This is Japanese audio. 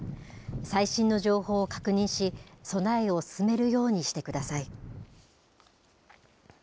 最新の情報を確認し、備えを進めるようにしてください。